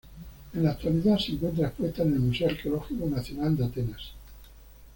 En la actualidad se encuentra expuesta en el Museo Arqueológico Nacional de Atenas.